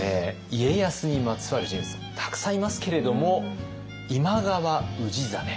家康にまつわる人物たくさんいますけれども今川氏真。